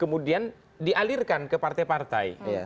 kemudian dialirkan ke partai partai